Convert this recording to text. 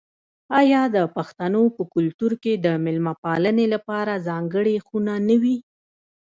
آیا د پښتنو په کلتور کې د میلمه پالنې لپاره ځانګړې خونه نه وي؟